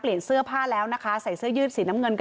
เปลี่ยนเสื้อผ้าแล้วนะคะ